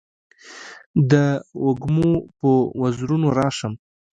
د وږمو په وزرونو راشم